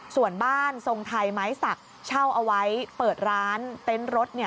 ส่วนบ้านทรงไทยไม้สักเช่าเอาไว้เปิดร้านเต็นต์รถ